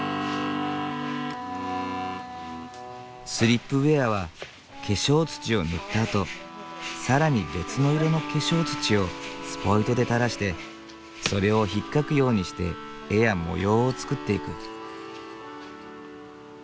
スリップウェアは化粧土を塗ったあと更に別の色の化粧土をスポイトでたらしてそれをひっかくようにして絵や模様を作っていく。